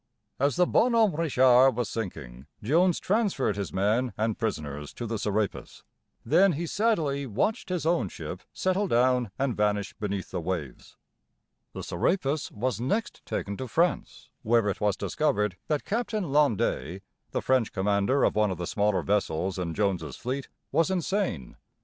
As the Bonhomme Richard was sinking, Jones transferred his men and prisoners to the Serapis. Then he sadly watched his own ship settle down and vanish beneath the waves. The Serapis was next taken to France, where it was discovered that Captain Landais (lahN dā´), the French commander of one of the smaller vessels in Jones's fleet, was insane.